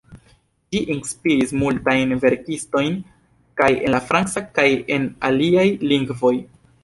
Ĝi inspiris multajn verkistojn kaj en la franca kaj en aliaj lingvoj.